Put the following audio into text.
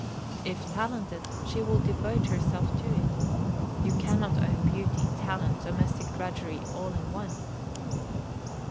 If talented, she will devote herself to it. You cannot own beauty, talent, domestic drudgery all in one.